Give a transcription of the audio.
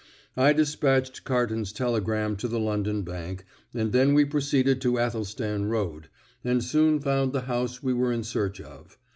I despatched Carton's telegram to the London bank, and then we proceeded to Athelstan Road, and soon found the house we were in search of.